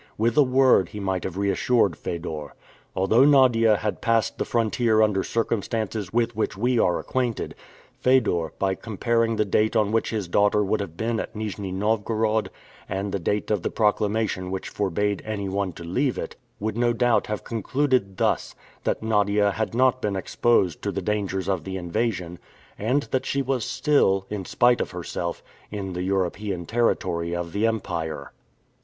With a word he might have reassured Fedor. Although Nadia had passed the frontier under circumstances with which we are acquainted, Fedor, by comparing the date on which his daughter would have been at Nijni Novgorod, and the date of the proclamation which forbade anyone to leave it, would no doubt have concluded thus: that Nadia had not been exposed to the dangers of the invasion, and that she was still, in spite of herself, in the European territory of the Empire.